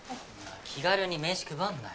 気軽に名刺配るなよ。